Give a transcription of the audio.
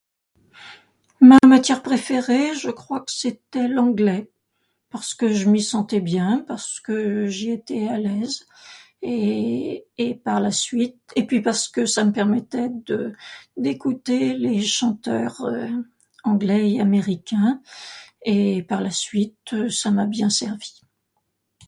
Ma matière préférée, je crois que c'était l'anglais parce que je m'y sentais bien, parce que j'y étais à l'aise, et, et par la suite et puisque ça me permettait de d'écouter les chanteurs anglais et américains et par la suite ça m'a bien servi